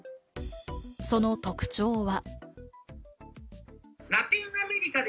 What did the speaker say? その特徴は。